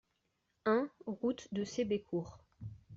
un route de Sébécourt